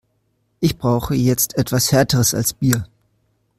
Ich brauche jetzt etwas härteres als Bier.